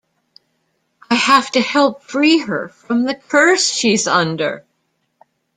I have to help free her from the curse she's under.